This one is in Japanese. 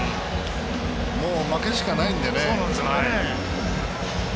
もう負けしかないんでね。